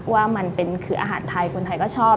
ว่ามันเป็นคืออาหารไทยคนไทยก็ชอบ